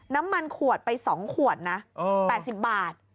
น้ำมันขวดไป๒ขวดนะ๘๐บาท